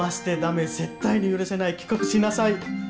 絶対に許さない帰国しなさい。